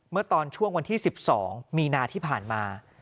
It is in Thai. เมื่อตอนช่วงวันที่๑๒มีนาที่ผ่านมา